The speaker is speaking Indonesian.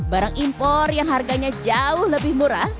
barang impor yang harganya jauh lebih murah